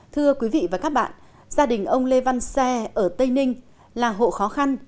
thưa quý vị và các bạn gia đình ông lê văn xe ở tây ninh là hộ khó khăn